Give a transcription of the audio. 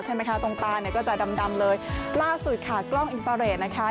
ตรงตาเนี่ยก็จะดำดำเลยล่าสุดค่ะกล้องอินฟาเรทนะคะ